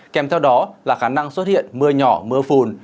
kèm theo đó là khả năng xuất hiện mưa nhỏ mưa phùn